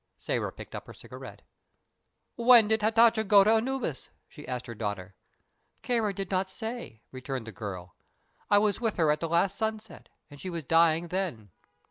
Sĕra picked up her cigarette. "When did Hatatcha go to Anubis?" she asked her daughter. "Kāra did not say," returned the girl. "I was with her at the last sunset, and she was dying then."